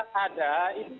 kira kira ini sudah berbeda